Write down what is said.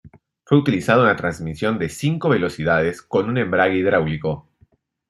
Fue utilizada una transmisión de cinco velocidades con un embrague hidráulico.